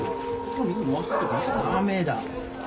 駄目だ。